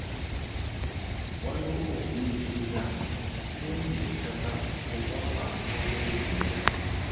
Waliwo okunyigiriza kungi ku ttaka olw'abantu okweyongera.